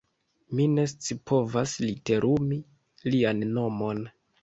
Mi ne scipovas literumi lian nomon.